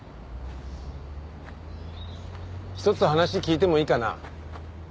一つ話聞いてもいいかな？